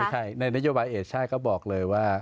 ไม่ใช่ในนโยบายเอชช่ายก็บอกเลยว่า